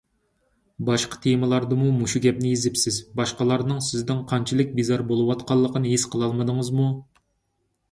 باشقا تېمىلاردىمۇ مۇشۇ گەپنى يېزىپسىز، باشقىلارنىڭ سىزدىن قانچىلىك بىزار بولۇۋاتقانلىقىنى ھېس قىلالمىدىڭىزمۇ؟